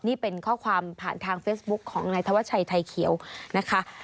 นี่เป็นข้อความผ่านทางเฟซบุ๊คของนายธวัชชัยไทยเขียวนะคะ